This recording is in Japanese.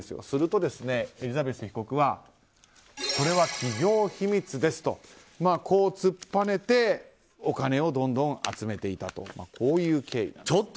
すると、エリザベス被告はそれは企業秘密ですと。こう突っぱねて、お金をどんどん集めていたという経緯です。